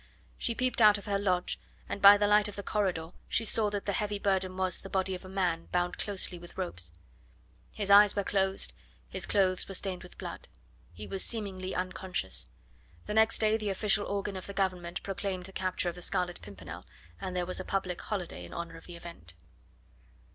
She peeped out of her lodge, and by the light in the corridor she saw that the heavy burden was the body of a man bound closely with ropes: his eyes were closed, his clothes were stained with blood. He was seemingly unconscious. The next day the official organ of the Government proclaimed the capture of the Scarlet Pimpernel, and there was a public holiday in honour of the event."